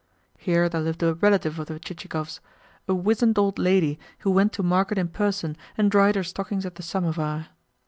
Here there lived a relative of the Chichikovs, a wizened old lady who went to market in person and dried her stockings at the samovar.